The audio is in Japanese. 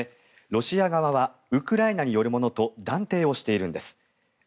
ロシア側はウクライナによるものと断定しているんです。